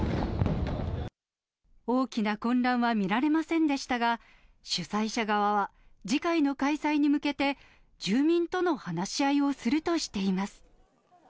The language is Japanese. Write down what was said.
大きな混乱は見られませんでしたが、主催者側は、次回の開催に向けて、住民との話し合いをするとしています。